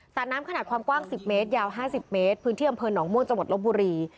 สะน้ำขนาดความกว้างสิบเมตรยาวห้าสิบเมตรพื้นที่อำเภิญหนองมวลจังหวัดลบบุรี